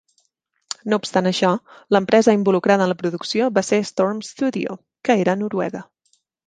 No obstant això, l'empresa involucrada en la producció va ser Storm Studio, que era noruega.